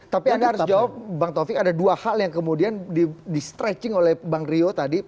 tapi anda harus jawab bang taufik ada dua hal yang kemudian di stretching oleh bang rio tadi